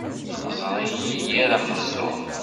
Texẓer-it yir axeẓẓur.